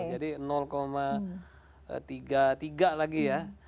jadi tiga puluh tiga lagi ya